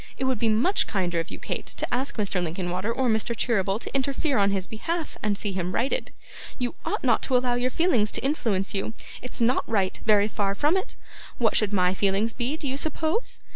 It would be much kinder of you, Kate, to ask Mr. Linkinwater or Mr. Cheeryble to interfere in his behalf, and see him righted. You ought not to allow your feelings to influence you; it's not right, very far from it. What should my feelings be, do you suppose?